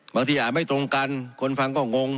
บางทีอาจไม่ตรงกันคนฟังก็งง